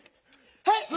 はい！